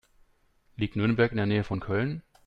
Liegt Nürnberg in der Nähe von Köln?